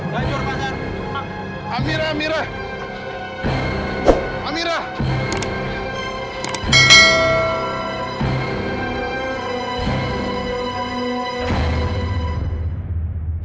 ganjur pasar masuk